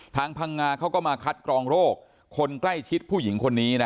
พังงาเขาก็มาคัดกรองโรคคนใกล้ชิดผู้หญิงคนนี้นะ